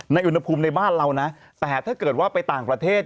อุณหภูมิในบ้านเรานะแต่ถ้าเกิดว่าไปต่างประเทศ